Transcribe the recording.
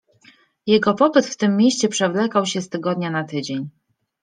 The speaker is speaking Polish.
Jego pobyt w tym mieście przewlekał się z tygodnia na tydzień.